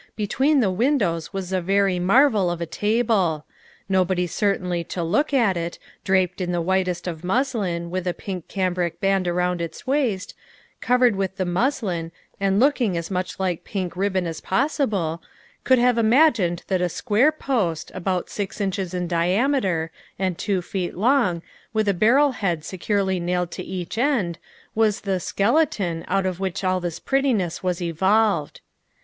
Between the windows was a very mar vel of a table. Nobody certainly to look at it, draped in the whitest of muslin, with a pink cambric band around its waist, covered with the muslin, and looking as much like pink rib bon as possible, would have imagined that a square post, about six inches in diameter, and two feet long, with a barrel head securely nailed to each end, was the "skeleton" out of which all this prettiness was evolved.